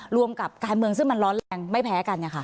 รวมกับการเมืองซึ่งมันร้อนแรงไม่แพ้กัน